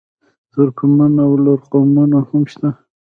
ترکمن او لر قومونه هم شته.